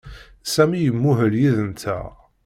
Sami imuhel yid-nteɣ.